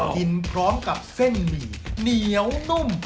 กินพร้อมกับเส้นหมี่เหนียวนุ่ม